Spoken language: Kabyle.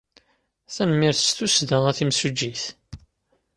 Tanemmirt s tussda, a timsujjit.